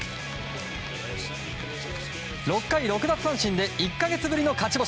６回６奪三振で１か月ぶりの勝ち星。